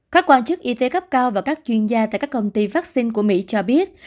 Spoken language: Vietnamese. các quan chức y tế cấp cao và các chuyên gia tại các công ty phát sinh của mỹ cho biết